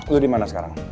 lo dimana sekarang